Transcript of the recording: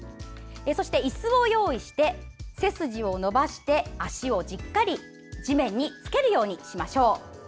そして、いすを用意して背筋を伸ばして足をしっかり地面につけるようにしましょう。